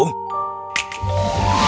apa kita pernah bertemu